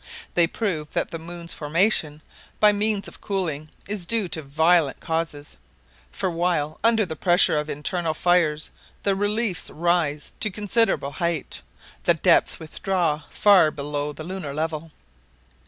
They prove that the moon's formation, by means of cooling, is due to violent causes; for while, under the pressure of internal fires the reliefs rise to considerable height, the depths withdraw far below the lunar level."